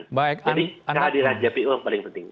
jadi kehadiran jpu yang paling penting